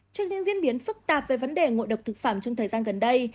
trong những diễn biến phức tạp về vấn đề ngộ độc thực phẩm trong thời gian gần đây